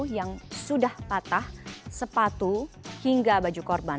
yang sudah patah sepatu hingga baju korban